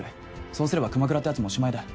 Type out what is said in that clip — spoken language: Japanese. そうすれば熊倉ってやつもおしまいだ。